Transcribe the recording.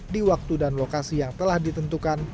di waktu dan lokasi yang telah ditentukan